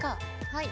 はい。